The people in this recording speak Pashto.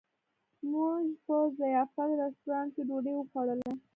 موږ په ضیافت رسټورانټ کې ډوډۍ وخوړله.